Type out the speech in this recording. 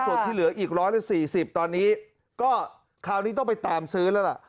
ส่วนที่เหลืออีก๑๔๐ตอนนี้ก็คราวนี้ต้องไปตามซื้อแล้วล่ะ